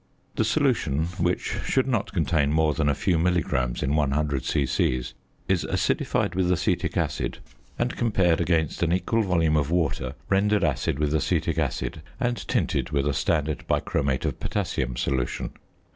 The solution, which should not contain more than a few milligrams in 100 c.c., is acidified with acetic acid and compared against an equal volume of water rendered acid with acetic acid and tinted with a standard bichromate of potassium solution.